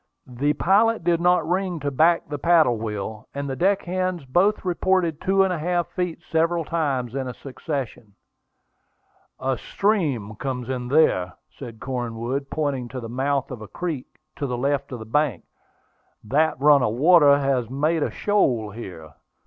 The pilot did not ring to back the paddle wheel, and the deck hands both reported two feet and a half, several times in succession. "A stream comes in there," said Cornwood, pointing to the mouth of a creek on the left bank; "that run of water has made a shoal here."